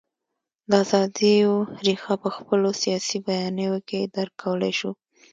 د ازادیو رېښه په خپلو سیاسي بیانیو کې درک کولای شو.